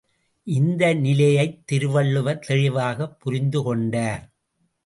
இந்த நிலையைத் திருவள்ளுவர் தெளிவாகப் புரிந்துகொண்டார்.